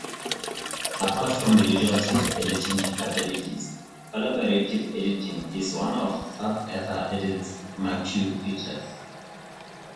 Apart from the usual text-editing capabilities, collaborative editing is one of SubEthaEdit's marquee features.